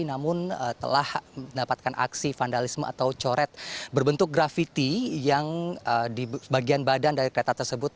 namun telah mendapatkan aksi vandalisme atau coret berbentuk grafiti yang di bagian badan dari kereta tersebut